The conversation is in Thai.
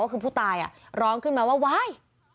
ก็คือผู้ตายร้องขึ้นมาว่าว้าย